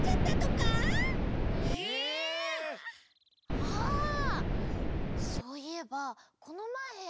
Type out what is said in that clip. あそういえばこのまえ。